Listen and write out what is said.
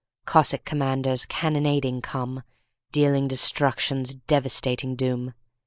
Cossack commanders cannonading come, Dealing destruction's devastating doom.